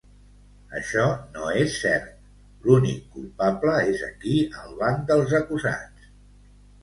Això no és cert, l’únic culpable és aquí al banc dels acusats.